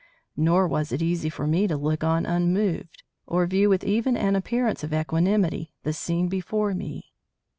Nor was it easy for me to look on unmoved, or view with even an appearance of equanimity the scene before me.